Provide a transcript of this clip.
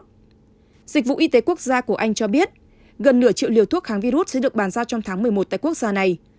dịch vụ y tế quốc gia của anh cho biết gần nửa triệu liều thuốc kháng virus sẽ được bàn giao trong tháng một mươi một tại quốc gia này